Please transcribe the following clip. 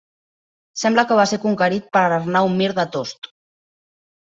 Sembla que va ser conquerit per Arnau Mir de Tost.